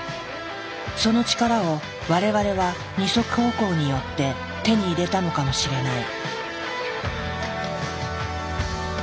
その力を我々は２足歩行によって手に入れたのかもしれない。